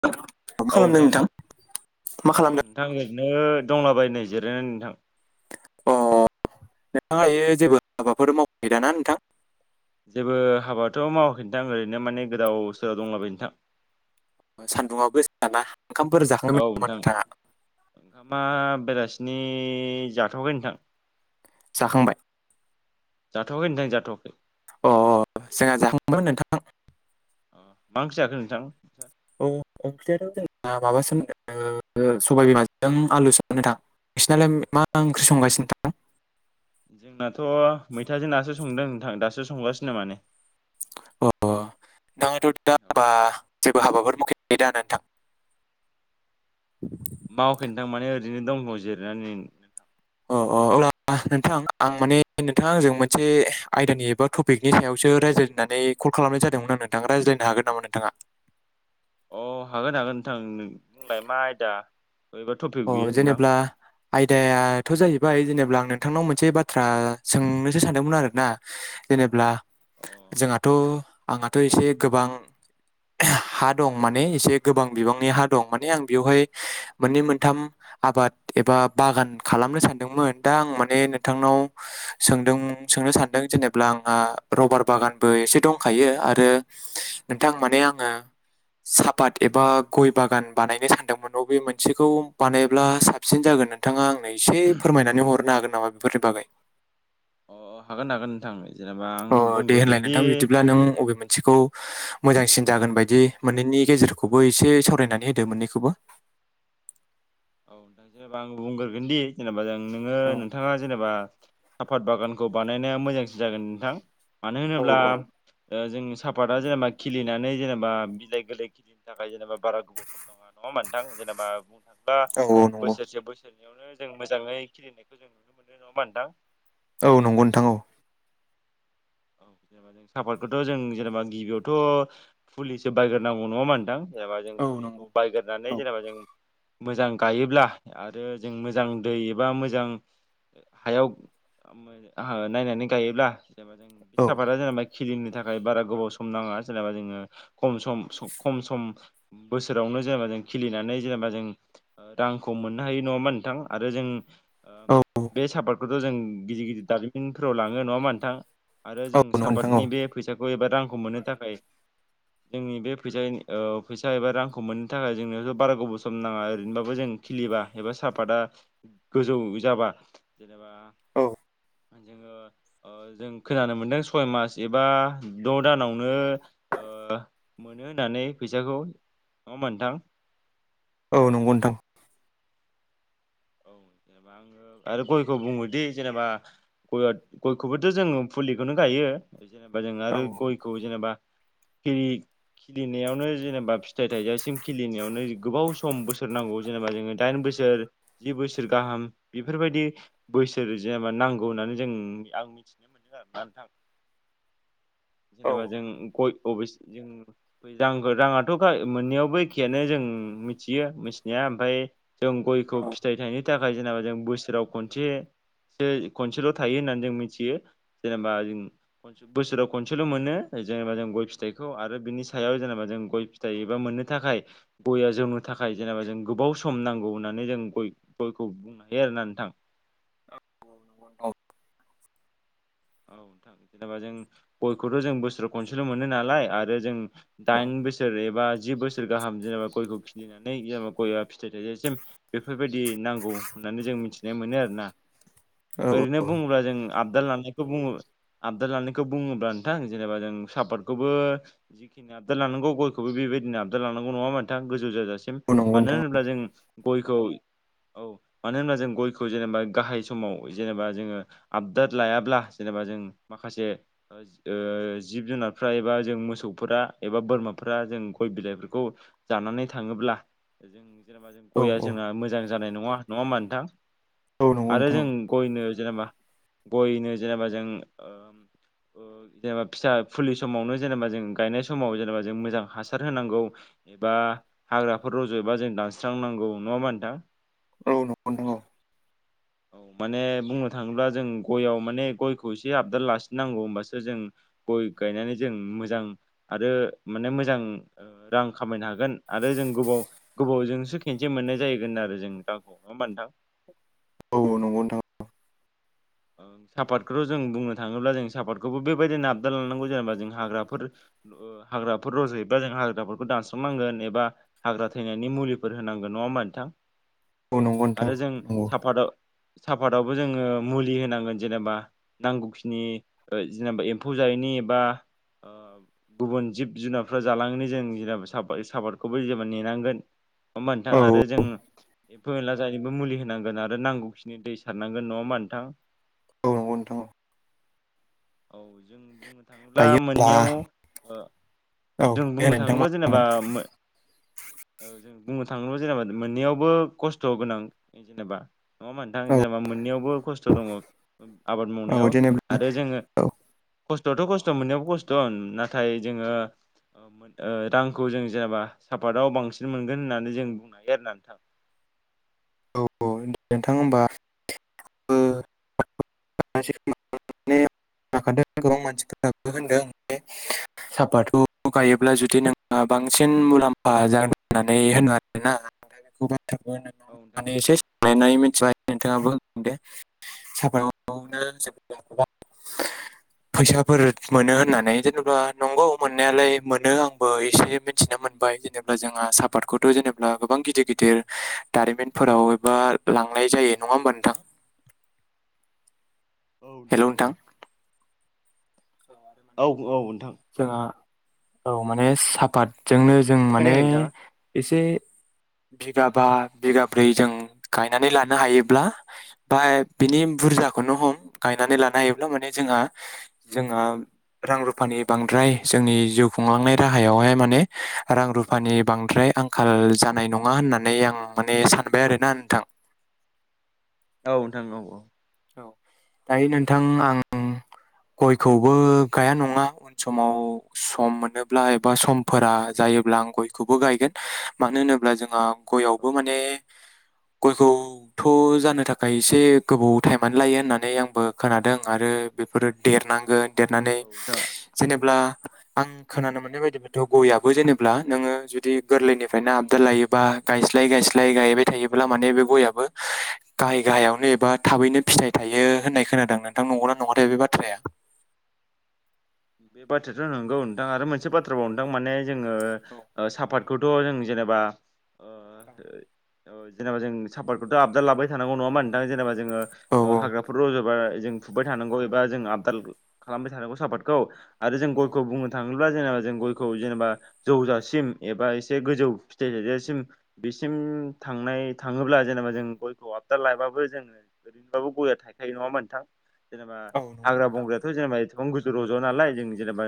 थ मा औ खालामदों नोंथां औ मा अ खालामदों नोंथां नो दंलाबायो नै जिरायनानै नोंथां अ नोंथाङादायो जेबो हाबाफोर मावफैदाना नोंथां। जेबो हाबाथ' मावाखै नथां ओरैनो माने गोदाव सोराव दंलाबाय नोंथां। सान्दुङआबो गोसाना। औ नोंथां ओंखामा बेरासिनो सिनि जाथ'वाखै नोंथां। जाखांबाय जाथ'वाखै नोंथां जाथ'वाखै। अ ह जोंहा जाहाजखांबायमोन नोंथां। अ माओंख्रि जाखो नोंथां। औ ओंख्रियाथ' जोंहा माबासोमोन ओ सबाय बिमाजों आलु सोमोन नोंथां। नोसालाय मा औ ओंख्रि संगासिनो नोंथां। जोंनाथ' मैथाजों नासो संदों नोंथां दासो संगासिनो माने। अ [unintelligible] जेबो हाबाफोर मावाखै दा नोंथां। मावाखै नोंथां माने ओरैनो दंबाव जिरनानै। अ अ अ ओ नोंथां आं माने नोंथाङा आंजों मोनसे आयदानि एबा टपिकनि सायावसो रायज्लायनो होनानै कल कल खालामनाय जादोंमोन आं नोंथा रायज्लायनो हागोन नामा नोंथाङा। अ हागोन-हागोन नोंथां बुंलाय मा आयदा बहेबा अ टपिक बियो नोंथां। जेनेब्ला आयदायाथ' जाहैबाय जेनेबा आं नोंथांनाव मोनसे बाथ्रा सोंनोसो सानदोंमोन आरोना। जेनेब्ला नोंथां जोंहाथ' आंहाथ' एसे गोबां हा दं माने एसे गोबां बिबांनि हा दं माने आं बेवहाय मोननै मोन थाम आबाद एबा बागान खालामनो सानदोंमोन दा आं माने नोंथांनाव सों सोंनो सानदों जेनेब्ला आंहा रबार बागानबो एसे दंखायो आरो नोंथां माने आङो सापात एबा गय बागान बानायनो सानदोंमोन बबे मोनसेखौ बानायब्ला साबसिन जागोन नोंथाङा आंनो एसे फोरमायनानै हरनो हागोन नामा बेफोरनि बागै। [unintelligible] अ हागोन हागोन नोंथां। जेनेबा आं अ दे होनलाय बुंग्रोगोनदि नोंथां बिदिब्ला नों बबे मोनसेखौ मोजांसिन जागोन बायदि मोननैनि गेजेरखौबो एसे सावरायनानै होदो मोननैखौबो। [unintelligible] औ जेनेबा आं बुंग्रोगोन दि जेनेबा जों नोङो औ नोंथाङा जेनेबा साफात बागानखौ बानायनाया मोजांसिन जागोन नोंथां मानो औ होनोब्ला। औ दा जोंनि सापाता जेनेबा खिलिनानै जेनेबा बिलाइ गोरलै खिलिनो थाखाय जेनेबा बारा गोबाव सम दङ नङा नोंथां जेनेबा। ओ औ औ नंगौ बोसोरसे बोसोरनैयावनो जों मोजाङै खिलिनायखौ जों नुनो मोनो नङा मोनदां औ नंगौ नोंथां औ। [unintelligible] आबादखोथ' जों जेनेबा गिबियावथ ' पुलिसो बायग्रोनांगौ नङा मा नोंथां। जेनेबा जों औ नंगौ फुलिखौ बायग्रनानै औ जेनेबा जों मोजां गायोब्ला आरो जों मोजां दै एबा मोजां हायाव ओ नायनानै गायोब्ला आबादा जेनेबा खिलिनो थाखाय बारा गोबाव सम नाङा जेनेबा जोङो खम सम खम सम बोसोराव नो जेनेबा खिलिनानै जेनेबा जों रांखौ मोननो हायो नङा होमबा नोंथां आरो जों ओ बे सापातखौथ' जों गिदिर-गिदिर दारिमिनफोराव लाङो नङा होमबा नोंथां। आरो जों सापातनि बे फैसाखौ एबा रांखौ मोननो थाखाय जोंनि बे फैसा-फैसा एबा रांखौ मोननो थाखाय जोंनोथ' बारा गोबाव सम नाङा ओरैनोबाबो जों खिलिबा एबा साहापाता गोजौ जाबा जेनेबा जोङो ओ जों खोनानो मोनदों सय मास एबा द' दानावनो ओ मोनो होननानै फैसाखौ नङा नोंथां औ नंगौ नोंथां आरो गया बुङोदि जेनेबा आङो आरो गयखौ बुङोदि जेनेबा ग गयखौबोथ' जो फुलिखौनो गायो जेनेबा जों आरो गयखौ जेनेबा फ्रि खिलिनायावनो जेनेबा फिथाइ थाइजासिम खिलिनायावनो गोबाव सम बोसोर नांगौ जेनेबा जोङो दाइन बोसोर सोर जि बोसोर गाहाम बेफोरबायदि बोसोर जेनेबा नांगौ होननानै जों आं मिथिनो मोनदों। आरोना नोंथां जेनेबा जों गय ओबोसे जों रांखौ राङाथ' मोननैयावबो एखेयानो जों मिथियो मिथिनाया ओमफ्राय जों गयखौ फिथाइ थायनो थाखाय जेनेबा जों बोसोराव खनसे खनसेल' थायो होननानै जों मिथियो जेनेबा जों बोसोराव खनसेल' मोनो जेनेबा जों गय फिथाइखौ आरो बिनि सायाव जेनेबा जों गय फिथाइ एबा मोननो थाखाय गया जौनो थाखाय थाखाय जेनेबा जों गोबाव सम नांगौ होननानै जों गयखौ बुंनो हायो आरो ना नोंथां औ औ नोंथां जेनेबा जों गयखौथ' जों बोसोराव खनसेल' मोनो नालाय आरो जों दाइन बोसोर एबा जि बोसोर गाहाम जेनेबा गयखौ खिलिनानै जेनेबा गयआ फिथाइ थाइसिम बेफोरबायदि नांगौ होननानै जों मिथिनाय मोनो आरोना औ ओरैनो बुङोब्ला जों आबदाल लानायखौ बुङो। आबदाल लानायखौ बुङोब्ला नोंथां जेनेबा जों सापर्टखौबो जिखिनि आबदार लानांगौ गयखौबो बि बेबायदिनो आबदार लानांगौ नङा नोंथां गोजौ जाजासिम औ नंगौ मानो नोंथां होनोब्ला जों गयखौ औ मानो होनब्ला जों गयखौ जेनेबा गाहाय समाव जेनेबा जोङो आपडाद लायाब्ला जेनेबा जों माखासे ओ जिब जुनारफ्रा एबा जों मोसौफोरा एबा बोरमा फोरा जों गय बिलाइफोरखौ जानानै थाङोब्ला जों। जेनेबा औ जों गया औ जोंना मोजां जानाय नङा नङा होमा नोंथां औ नंगौ नोंथां औ नंगौ नोंथां औ नंगौ आरो नोंथां जों गयनो जेनेबा गयनो जेनेबा जों जेनेबा फिसा फुलि समावनो जेनेबा जों गायनाय समाव जेनेबा जों मोजां हासार होनांगौ एबा हाग्राफोर रज'बा जों दानस्रांनांगौ नङा होमबा नोंथां औ नंगौ औ माने बुंनो थाङोब्ला जों गयाव माने गयखौ एसे आबदाल लासिननांगौ होनबासो जों गय गायनानै जों मोजां आरो माने मोजां रां खामायनो हागोन आरो आरो जों गोबाव गोबावजोंसो खेनसे मोननाय जायगोन आरो जों दाखौ नङा होमबा नोंथां। औ नंगौ नोथां सापातखौथ' जों बुंनो थाङोब्ला जों सापातखौबो बेबायदि नाबदाल लानांगौ जेनेबा जों हाग्राफोर हाग्राफोर रज'योबा जों हाग्राफोरखौ दानस्रनांगोन एबा हाग्रा थैनायनि मुलिफोर होनांगोन नङा होमबा नोंथां। औ नंगौ नोंथां आरो जों नंगौ साफादा साफादावबो जोङो मुलि होनांगोन जेनेबा नांगौखिनि जेनेबा एम्फौ जायैनि एबा अ गुबुन जिब जुनारफ्रा जालांनो जों जेनेबा साफा-साफादखौबो जेनेबा नेनांगोन। नोंथां औ आरो जों एमफौ एनला जायिनिबो मुलि होनांगोन आरो नांगौखिनि दै सारनांगोन नङा होनबा नोंथां थां औ नोंथां औ जों बुंनो थाङोब्ला दायो होनब्ला मोननैयाव औ जों दे बुंनो नोंथां मा थाङोब्ला होनामोन जेनेबा औ जों बुंनो थाङोबा जेनेबा मोननैयावबो खस्थ' गोनां जेनेबा नङा होनबा नोंथां औ जेनेबा बा मोननैआवबो खस्थ' दङ आबाद औ मावनायाव जेनेबा आरो जोङो औ खस्थ'आथ' खस्थ' मोननायावो खस्थ' नाथाय जोङो रांखौ जों जेनेबा सापातआव बांसिन मोनगोन होननानै जों बुंनो हायो आरो ना नोंथां। औ-औ नोंथां होमबा [unintelligible] साफाथ'खौ गायोब्ला जुदि नोंङो बांसिन मुलाम्फा जागोन होननानै होनो आरोना औ नोंथां [unintelligible] औ एसे सायनानै मिथिबाय नोंथाङाबो दे साफ [unintelligible] फैसाफोर मोनो होननानै जेनेबा नंगौ मोननायालाय मोनो आंबो एसे मिथिना मोनबाय जेनेब्ला जोंहा सापातखौथ' जेनेब्ला गोबां गिदिर गिदिर ओ दारिमिनफोराव एबा लांनाय जायो नङा होमबा नोंथां। औ नोंथां औ। औ आरो माने औ औ नोंथां। जोंहा औ माने सापातजोंनो जों माने खोनायाखै नोंथाङा एसे बिगा बा बिगाब्रै जों गायनानै लानो हायोब्ला बा बिनि बुरजा [unintelligible] हम गायनानै लानो हायोब्ला माने जोंहा जोंहा रां रुफानि बांद्राय जोंनि जिउ खुंलांनाय राहायावहाय माने रां रु रुपानि बांद्राय आंखाल जानाय नङा होननानै आं माने सानबाय आरोना नोंथां। [inaudible] औ नोंथां औ दायो नोंथां आं गयखौबो गाया नङा उन समाव सम मोनोब्ला एबा समफोरा जायोब्ला आं गयखौबो गायगोन मानो होनोब्ला जोंहा औ गयावबो नोंथां माने गयखौथ' जानो थाखाय एसे गोबाव टाइमानो लायो होननानै आंबो खोनादों आरो बेफोरो देरनांगोन देरनानै औ नोंथां जेनेब्ला आं खोनानो मोननाय बायदिब्लाथ' गयाबो जेनेबा नोङो जुदि गोरलैनिफ्रायनो आबदार लायोबा गायस्लाय गायस्लाय गायबाय थायोब्ला माने बे गयाबो गाहाय गाहायावनो एबा थाबैनो फिथाइ थायो होननाय खोनादों नोंथां नंगौना नङाथाय बे बाथ्राया। बे बाथ्राथ' नंगौ नोंथां आरो मोनसे बाथ्राबाव नोंथां माने जोङो ओ सापात बे खौथ' जों जेनेबा ओ [inaudible] जेनेबा जों सातखौथ' आबदाल लाबाय थानांगौ नङा मा नोंथां जेनेबा जोङो औ ओ औ हाग्राफोर रज'बा जों फुबाय थानांगौ एबा जों आपदाल खालामबाय थानांगौ सापातखौ आरो जों औ गयखौ बुंनो थाङो थाङोब्ला जेनेबा जों गयखौ जेनेबा जौजासिम एबा एसे गोजौ फिथाइ थायजासिम बिसिम थांनाय थाङोब्ला जेनेबा जों गयखौ आबदाल लाबाबो जोङो ओरैनोबाबो गया थाइखायो नङा नोंथां जेनेबा औ नंगौ हाग्रा नोंथां बंग्रायाथ' जेनेबा एसेबां गोजौ रज'आ नालाय जों जेनेबा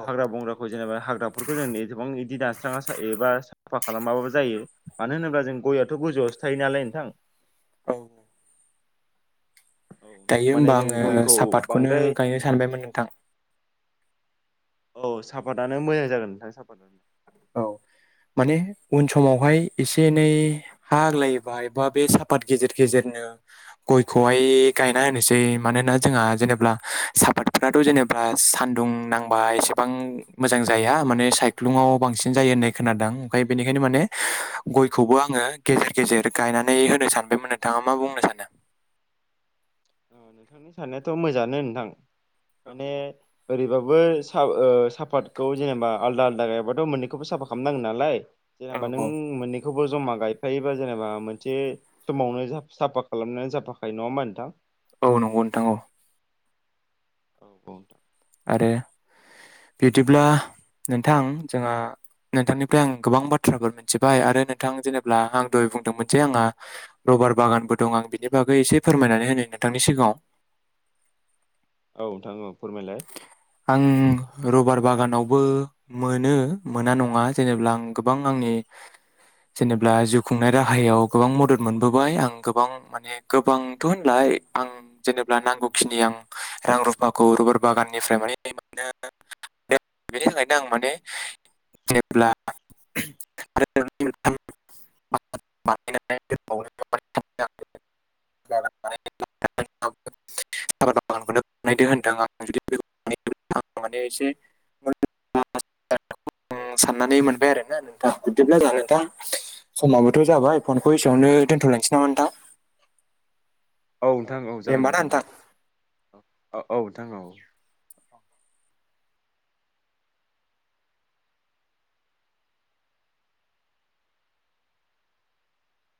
औ हाग्रा बंग्राखौ जेनेबा हाग्राफोरखौ जों एसेबां बिदि दानस्राङा एबा साफा खालामाबाबो जायो मानो होनोब्ला जों गयाथ' गोजौआवसो थायो नालाय नोंथां। औ नोंथां दायो माने होमबा जों आङो गयखौ सापातखौनो बांद्राय गायनो सानबायमोन नोंथां। औ साफतआनो मोजां जागोन नोंथां साफातानो औ माने उन समावहाय एसे एनै हा आग्लायोबा बा बे साफात गेजेर गेजेर गयखौहाय ओ गायना होनोसै मानोना जोंहा जेनेबा सापातफोराथ' जेनेबा होनब्ला सान्दुं नांबा एसेबां मोजां जाया माने सायख्लुङआव बांसिन जायो होननाय खोनादों आमफाय बेनिखायनो माने गखौबो आङो गेजेर गेजेर गायनानै सानबायमोन नोंथाङा मा बुंनो सानो औ नोंथांनि साननायाथ' मोजाङानो नोंथां माने ओरैबाबो ओ सा साफातखौ जेनेबा आलदा आलादा गायाबाथ' मोननैखौबो साफात खालामनांगोन नालाय जेनेबा नों औ मोननै खौबो ज'मा गायफायोबा जेनेबा मोनसे समावनो [unintelligible] साफा खालामनानै जाफाखायो नङा होमबा नोंथां औ नंगौ नोंथां औ औ बावदों आरो बिदिब्ला नोंथां जोंहा नोंथांनिफ्राय आं गोबां बाथ्राफोर मोनथिबाय आरो नोंथां जेनेब्ला आं दह बुंदोंमोन जे आंहा रबार बागानबो दं आं बिनि बागै एसे फोरमायनानै होनो नोंथांनि सिगाङाव औ नोंथां औ फोरमायलाय आं रबार बागानावबो मोनो मोना नङा जेनेबा आं गोबां आंनि जेनेबा जिउ खुंनाय राहायाव गोबां मदद मोनबोबाय आं गोबां माने गोबांथ' होनला आं जेबा नांगौखिनि आं रां रुफाखौ रग बागाननिफ्राय माने [unintelligible] बेनि थाखायनो आं माने जेब्ला [unintelligible] [unintelligible] [unintelligible] बागानखौनो बानायदों होनदों आं [unintelligible] आं साननानै मोनबाय आरो ना नोंथां बिदिब्ला जाहा नोंथां समाबोथ' जाबाय फनखौ एसेयावनो दोनथ'लांसै नामा नोंथां औ नोंथां औ दे जागोन होमबा ना नोंथां औ औ औ नोंथां औ